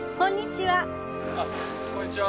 こんにちは！